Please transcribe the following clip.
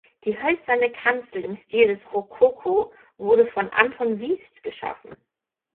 Die hölzerne Kanzel im Stil des Rokoko wurde von Anton Wiest geschaffen.